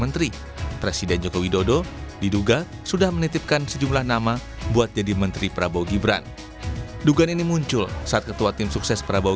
tidak pernah ada tawaran semacam itu ke ganjar darinya ataupun prabowo